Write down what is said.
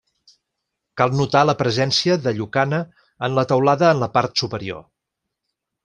Cal notar la presència de llucana en la teulada en la part superior.